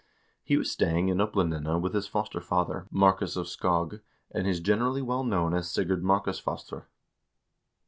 He was staying in Oplandene with his foster father, Markus of Skog, and is generally known as Sigurd Markusfostre.